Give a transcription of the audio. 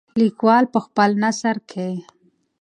لیکوال په خپل نثر کې.